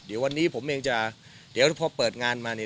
เดี๋ยววันนี้ผมเองจะเดี๋ยวพอเปิดงานมาเนี่ย